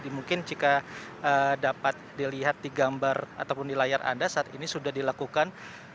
mungkin jika dapat dilihat di gambar ataupun di layar anda saat ini sudah dilakukan